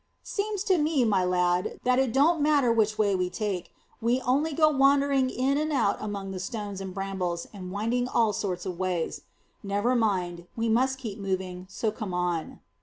"Seems to me, my lad, that it don't matter which way we take, we only go wandering in and out among the stones and brambles and winding all sorts of ways. Never mind; we must keep moving, so come on."